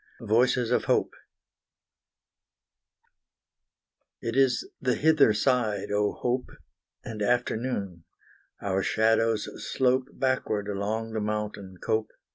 VOICES OF HOPE It is the hither side, O Hope, And afternoon; our shadows slope Backward along the mountain cope.